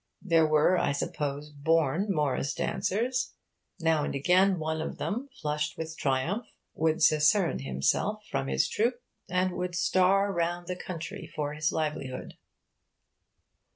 There were, I suppose, 'born' Morris dancers. Now and again, one of them, flushed with triumph, would secern himself from his troupe, and would 'star' round the country for his livelihood.